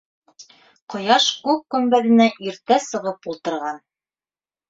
... Ҡояш күк көмбәҙенә иртә сығып ултырған.